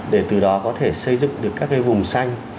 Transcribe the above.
để từ đó có thể xây dựng được các cái vùng xanh